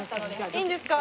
いいんですか？